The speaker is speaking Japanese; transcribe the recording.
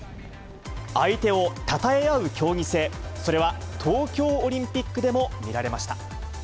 相手をたたえ合う競技性、それは、東京オリンピックでも見られました。